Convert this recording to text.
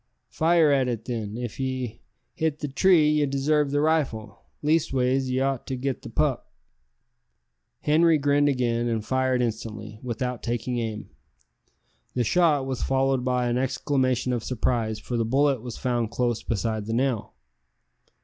"Fire at it, then. If ye hit the tree ye desarve the rifle leastways ye ought to get the pup." Henri grinned again, and fired instantly, without taking aim. The shot was followed by an exclamation of surprise, for the bullet was found close beside the nail.